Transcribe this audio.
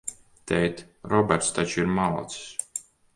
Tēt, Roberts taču ir malacis?